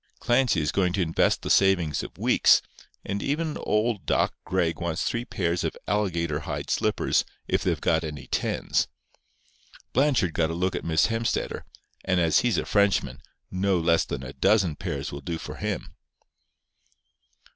Clancy is going to invest the savings of weeks, and even old Doc Gregg wants three pairs of alligator hide slippers if they've got any tens. Blanchard got a look at Miss Hemstetter; and as he's a Frenchman, no less than a dozen pairs will do for him."